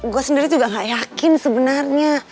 gua sendiri juga gak yakin sebenernya